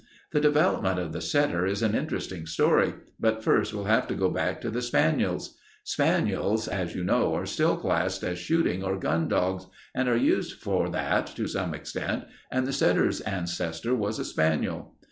The development of the setter is an interesting story, but first we'll have to go back to the spaniels. Spaniels, you know, are still classed as shooting or gun dogs, and are used for that to some extent, and the setter's ancestor was a spaniel.